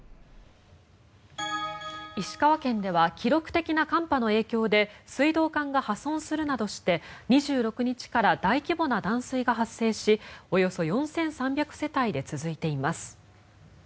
石川県では記録的な寒波の影響で水道管が破損するなどして２６日から大規模な断水が発生しおよそ４３００世帯で続いています。